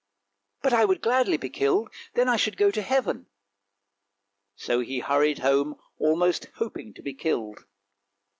" But I would gladly be killed; then I should go to heaven." So he hurried home almost hoping to be killed.